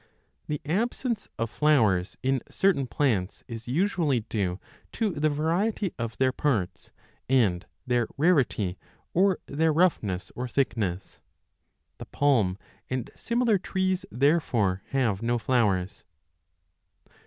The absence of flowers in certain plants is usually due to the variety of their parts and their rarity 40 or their roughness or thickness. The palm and similar trees therefore have no flowers.